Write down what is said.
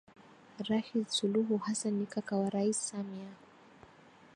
Rashid Suluhu Hassan ni kaka wa Rais Samia